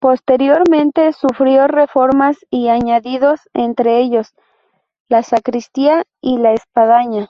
Posteriormente sufrió reformas y añadidos, entre ellos, la sacristía y la espadaña.